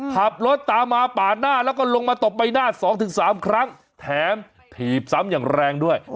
ขับรถตามมาปาดหน้าแล้วก็ลงมาตบใบหน้า๒๓ครั้งแถมถีบซ้ำอย่างแรงด้วย